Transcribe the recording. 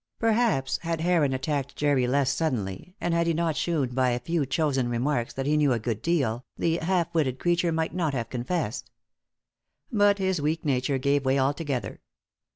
Perhaps had Heron attacked Jerry less suddenly, and had he not shewn by a few chosen remarks that he knew a good deal, the half witted creature might not have confessed. But his weak nature gave way altogether.